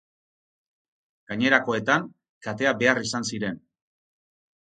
Gainerakoetan, kateak behar izan ziren.